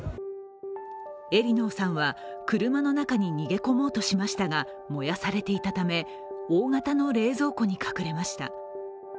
エリノーさんは車の中に逃げ込もうとしましたが、燃やされていたため大型の冷蔵庫に隠れました。